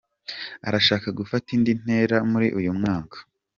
Arashaka gufata indi ntera muri uyu mwaka.